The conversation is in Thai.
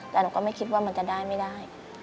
แต่หนูก็ไม่คิดว่ามันจะได้ไม่ได้